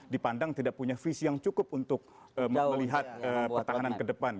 dipandang tidak punya visi yang cukup untuk melihat pertahanan ke depan